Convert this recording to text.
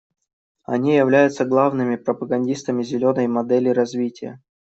Они являются главными пропагандистами «зеленой» модели развития.